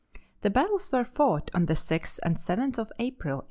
The battles were fought on the 6th and 7th of April, 1862.